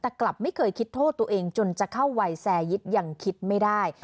แต่กลับไม่เคยคิดโทษตัวเองจนจะเข้าวัยแซยิตยังคิดไม่ได้